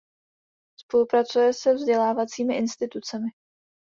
Spolupracuje se vzdělávacími institucemi.